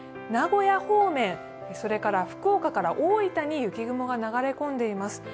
名古屋方面、それから福岡から大分に雪雲が流れ込んでいます。